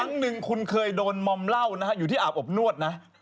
ครั้งหนึ่งคุณเคยโดนมอมเหล้านะฮะอยู่ที่อาบอบนวดนะ